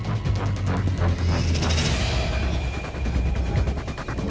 พี่ป๋องครับผมเคยไปที่บ้านผีคลั่งมาแล้ว